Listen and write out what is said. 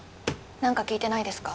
何か聞いてないですか？